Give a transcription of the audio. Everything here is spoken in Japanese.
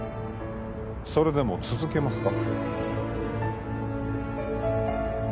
それでも続けますか？